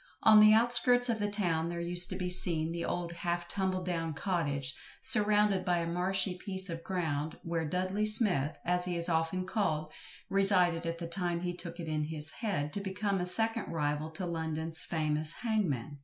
On the outskirts of the town there used to be seen the old half tumbled down cottage, surrounded by a marshy piece of ground, where "Dudley Smith," as he is often called, resided at the time he took it into his head to become a second rival to London's famous hangman.